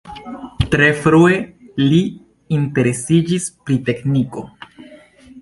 Tre frue li interesiĝis pri tekniko.